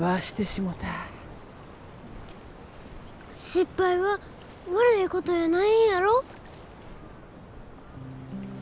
失敗は悪いことやないんやろ？